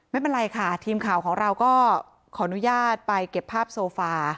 ไม่เป็นไรค่ะทีมข่าวของเราก็ขออนุญาตไปเก็บภาพโซฟา